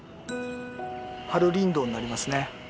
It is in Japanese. ハルリンドウになりますね。